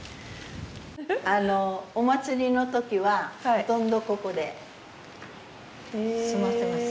お祭りの時はほとんどここで座ってます。